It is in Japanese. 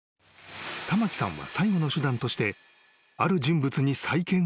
［玉城さんは最後の手段として］